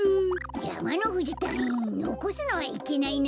やまのふじたいいんのこすのはいけないな。